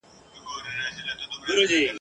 توتکۍ ورته په سرو سترګو ژړله `